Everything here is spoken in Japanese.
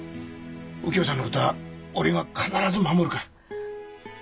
お喜代さんの事は俺が必ず守るから。